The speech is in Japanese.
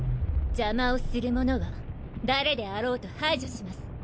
邪魔をする者は誰であろうと排除します。